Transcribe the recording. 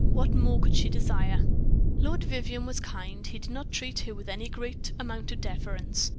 What more could she desire? Lord Vivianne was kind, but he did not treat her with any great amount of deference.